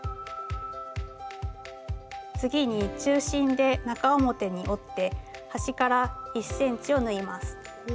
次に中心で中表に折って端から１ｃｍを縫います。